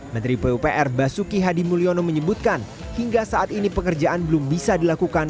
menteri pupr basuki hadimulyono menyebutkan hingga saat ini pekerjaan belum bisa dilakukan